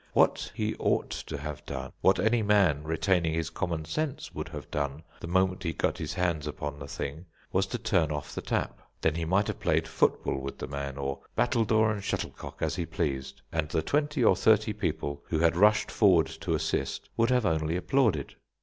What he ought to have done, what any man retaining his common sense would have done the moment he got his hands upon the thing, was to turn off the tap. Then he might have played foot ball with the man, or battledore and shuttlecock as he pleased; and the twenty or thirty people who had rushed forward to assist would have only applauded.